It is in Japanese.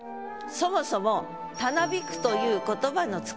そもそも「たなびく」という言葉の。